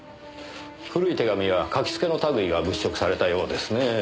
古い手紙や書き付けの類いが物色されたようですねぇ。